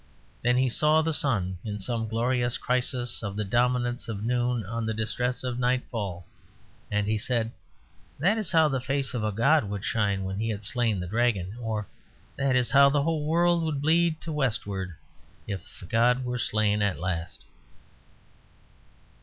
Then he saw the sun in some glorious crisis of the dominance of noon on the distress of nightfall, and he said, "That is how the face of the god would shine when he had slain the dragon," or "That is how the whole world would bleed to westward, if the god were slain at last."